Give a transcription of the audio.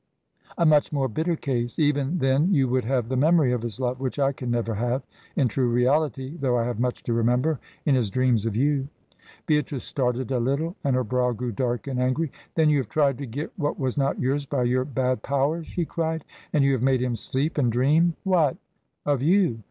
"A much more bitter case. Even then you would have the memory of his love, which I can never have in true reality, though I have much to remember, in his dreams of you." Beatrice started a little, and her brow grew dark and angry. "Then you have tried to get what was not yours by your bad powers!" she cried. "And you have made him sleep and dream what?" "Of you."